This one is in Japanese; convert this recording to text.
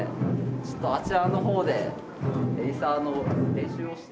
ちょっとあちらの方でエイサーの練習をしてる。